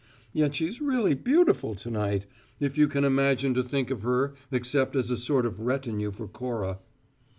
Yet she's really beautiful to night, if you can manage to think of her except as a sort of retinue for Cora."